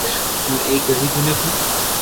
ھون ايڪ غريب مينک ھون